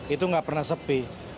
itu nggak pernah sepi